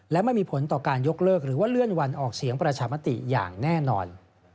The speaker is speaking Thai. และไม่มีผลต่อการยกเลิกหรือว่าเลื่อนวันออกเสียงประชามติอย่างแน่นอน